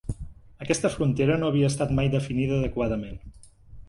Aquesta frontera no havia estat mai definida adequadament